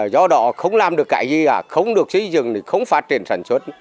do đó không làm được cái gì cả không được xây dựng không phát triển sản xuất